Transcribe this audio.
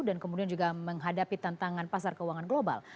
kemudian juga menghadapi tantangan pasar keuangan global